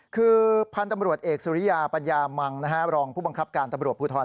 คือพันธุ์ตำรวจเอกสุริยาปัญญามังรองผู้บังคับการตำรวจภูทร